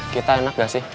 kita enak gak sih